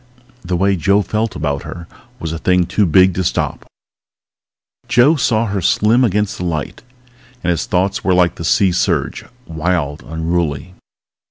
The way Joe felt about her was a thing too big to stop ... Joe saw her slim against the light, and his thoughts were like the sea surge, wild, unruly.